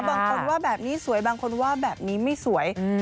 บางคนว่าแบบนี้สวยบางคนว่าแบบนี้ไม่สวย